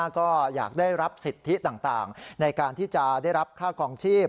ก็อยากได้รับสิทธิต่างในการที่จะได้รับค่าคลองชีพ